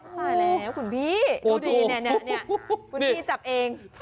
ไปแล้วคุณพี่โอ้โธ่คุณพี่จับเอง